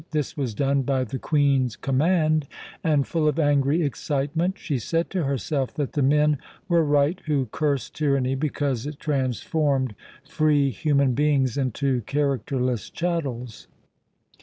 This was done by the Queen's command, and, full of angry excitement, she said to herself that the men were right who cursed tyranny because it transformed free human beings into characterless chattels.